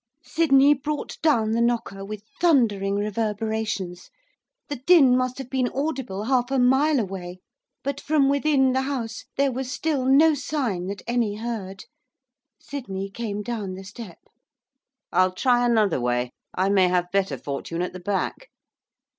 Sydney brought down the knocker with thundering reverberations. The din must have been audible half a mile away. But from within the house there was still no sign that any heard. Sydney came down the step. 'I'll try another way, I may have better fortune at the back.